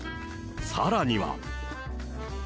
さらには。